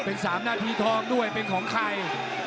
เป็น๓นาทีทองด้วยเป็นของใคร